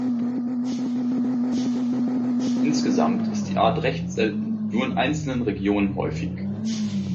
Insgesamt ist die Art recht selten, nur in einzelnen Regionen häufig.